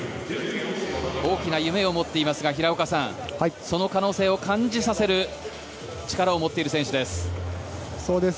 大きな夢を持っていますが平岡さん、その可能性を感じさせる力を持っている選手です。